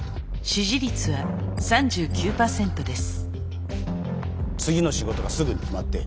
支持率は３４％です。